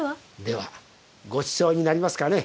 ではごちそうになりますかね